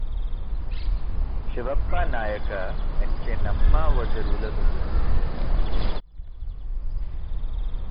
Shivappa Nayaka and Chennamma were the rulers of this kingdom.